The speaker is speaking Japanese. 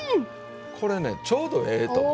これねちょうどええと思います。